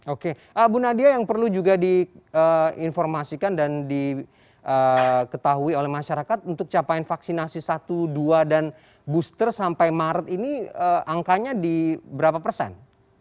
oke bu nadia yang perlu juga diinformasikan dan diketahui oleh masyarakat untuk capaian vaksinasi satu dua dan booster sampai maret ini angkanya di berapa persen